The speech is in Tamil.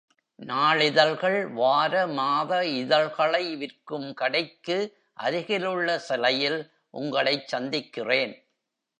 நாளிதழ்கள், வார, மாத இதழ்களை விற்கும் கடைக்கு அருகிலுள்ள சிலையில் உங்களைச் சந்திக்கிறேன்.